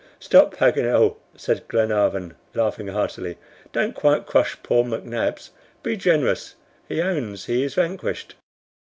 "Stop, Paganel," said Glenarvan, laughing heartily, "don't quite crush poor McNabbs. Be generous; he owns he is vanquished."